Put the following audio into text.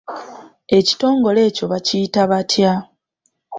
Ekitongole ekyo bakiyita batya?